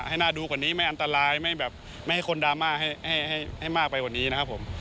ให้น่าดูกว่านี้ไม่อันตรายไม่แบบไม่ให้คนดราม่าให้มากไปกว่านี้นะครับผม